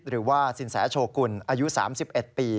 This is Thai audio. หรือว่าสินแสโชกุลอายุ๓๑ปี